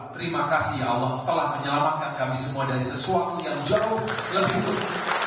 terima kasih allah telah menyelamatkan kami semua dari sesuatu yang jauh lebih buruk